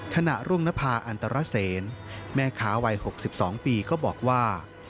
ทนรุงนภาคอัลตราเสนแม่คาวัย๖๒ปีก็บอกว่า